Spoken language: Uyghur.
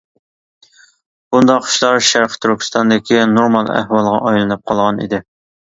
بۇنداق ئىشلار شەرقى تۈركىستاندىكى نورمال ئەھۋالغا ئايلىنىپ قالغان ئىدى .